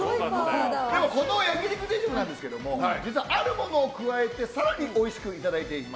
でも、この焼肉定食なんですが実はあるものを加えて更においしくいただける。